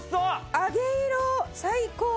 揚げ色最高！